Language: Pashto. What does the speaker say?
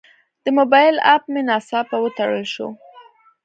د موبایل اپ مې ناڅاپه وتړل شو.